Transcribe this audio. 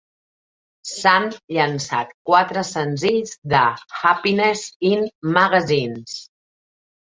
S'han llançat quatre senzills de "Happiness in Magazines".